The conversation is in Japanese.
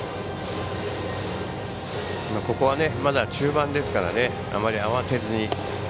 ここはまだ中盤ですからあまり慌てずに。